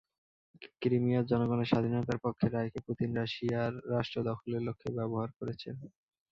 ক্রিমিয়ার জনগণের স্বাধীনতার পক্ষের রায়কে পুতিন রাশিয়ার রাষ্ট্র দখলের লক্ষ্যে ব্যবহার করেছেন।